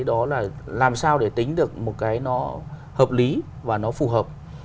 đó là làm sao để tính được một cái nó hợp lý và nó phù hợp